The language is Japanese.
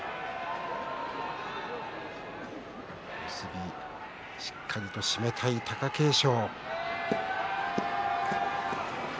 結び、しっかりと締めたい貴景勝。